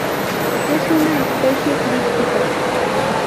Es una especie críptica.